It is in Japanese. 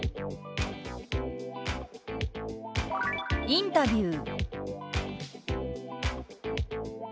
「インタビュー」。